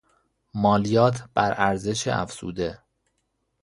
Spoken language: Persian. مالیات بر ارزش افزوده